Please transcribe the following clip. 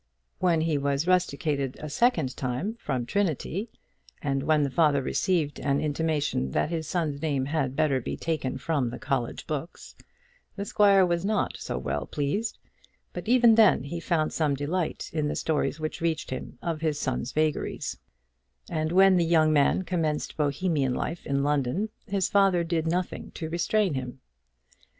When he was rusticated a second time from Trinity, and when the father received an intimation that his son's name had better be taken from the College books, the squire was not so well pleased; but even then he found some delight in the stories which reached him of his son's vagaries; and when the young man commenced Bohemian life in London, his father did nothing to restrain him.